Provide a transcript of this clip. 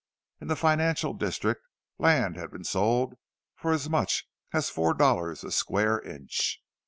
In the financial district, land had been sold for as much as four dollars a square inch.